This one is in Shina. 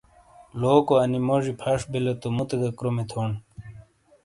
لوکو انی موجی پھش بیلے تو مُوتے گہ کرومی تھون۔